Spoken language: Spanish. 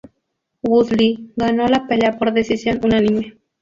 Woodley ganó la pelea por decisión unánime.